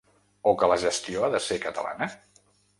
O que la gestió ha de ser catalana?